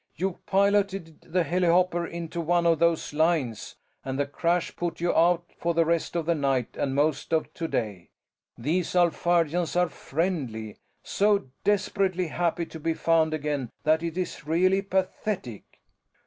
You piloted the helihopper into one of those lines, and the crash put you out for the rest of the night and most of today. These Alphardians are friendly, so desperately happy to be found again that it's really pathetic."